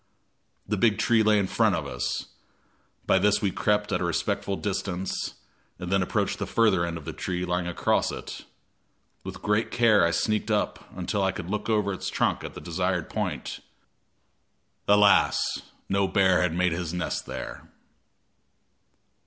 The big tree lay in front of us; by this we crept at a respectful distance, and then approached the further end of the tree lying across it. With great care I sneaked up until I could look over its trunk at the desired point. Alas! no bear had made his nest there.